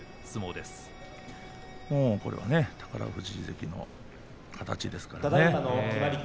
これは宝富士関の形です。